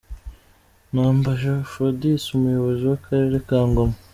Nambaje Aphrodise, umuyobozi w’akarere ka Ngoma.